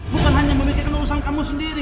bukan hanya memikirkan urusan kamu sendiri